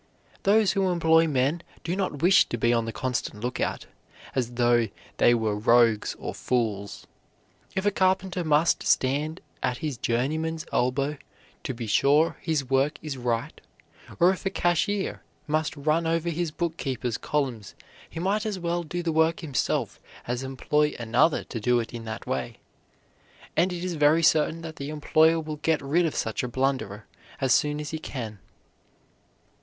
"Those who employ men do not wish to be on the constant lookout, as though they were rogues or fools. If a carpenter must stand at his journeyman's elbow to be sure his work is right, or if a cashier must run over his bookkeeper's columns, he might as well do the work himself as employ another to do it in that way; and it is very certain that the employer will get rid of such a blunderer as soon as he can."